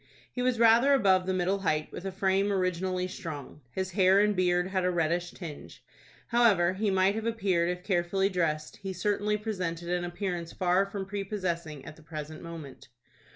He was rather above the middle height, with a frame originally strong. His hair and beard had a reddish tinge. However he might have appeared if carefully dressed, he certainly presented an appearance far from prepossessing at the present moment.